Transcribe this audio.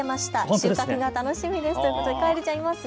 収穫が楽しみですということでカエルちゃんいますね。